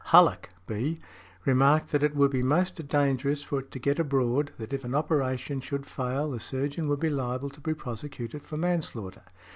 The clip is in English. Hullock, B., remarked that it would be most dangerous for it to get abroad that if an operation should fail the surgeon would be liable to be prosecuted for manslaughter.